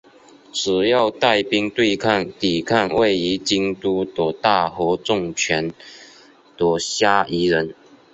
主要带兵对付抵抗位于京都的大和政权的虾夷人。